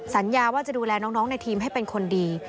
สัญญาว่าจะดูแลน้องในทีมให้เป็นคนดี